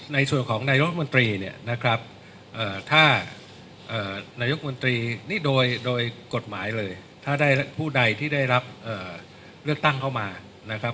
ในส่วนของนายกรัฐมนตรีเนี่ยนะครับถ้านายกมนตรีนี่โดยกฎหมายเลยถ้าได้ผู้ใดที่ได้รับเลือกตั้งเข้ามานะครับ